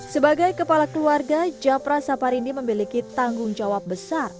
sebagai kepala keluarga japra saparindi memiliki tanggung jawab besar